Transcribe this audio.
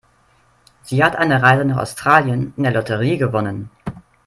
Sie hat eine Reise nach Australien in der Lotterie gewonnen.